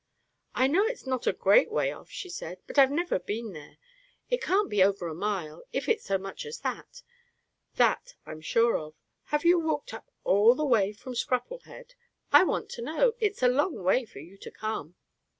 "I know it's not a great way off," she said. "But I've never been there. It can't be over a mile, if it's so much as that; that I'm sure of. Have you walked up all the way from Scrapplehead? I want to know? It's a long way for you to come."